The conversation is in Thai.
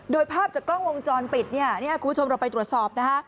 โดยภาพจากกล้องวงจรปิดเนี่ยคุณผู้ชมเราไปตรวจสอบนะฮะ